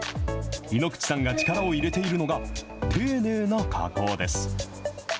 井口さんが力を入れているのが、丁寧な加工です。